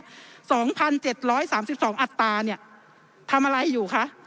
๒๗๓๒อัตราเนี่ยทำอะไรอยู่คะ